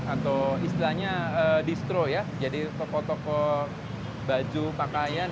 atau istilahnya distro ya jadi toko toko baju pakaian